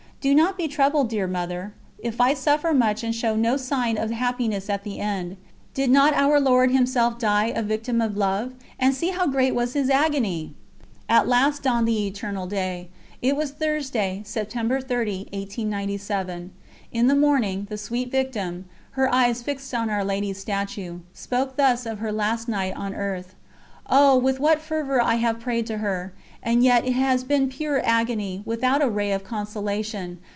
Do not be troubled, dear Mother, if I suffer much and show no sign of happiness at the end. Did not Our Lord Himself die 'a Victim of Love,' and see how great was His Agony!" ....... At last dawned the eternal day. It was Thursday, September 30, 1897. In the morning, the sweet Victim, her eyes fixed on Our Lady's statue, spoke thus of her last night on earth: "Oh! with what fervour I have prayed to her! ... And yet it has been pure agony, without a ray of consolation.